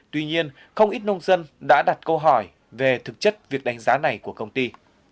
tuy nhiên không ít nông dân đã đặt câu hỏi về thực chất việc đánh giá này của công ty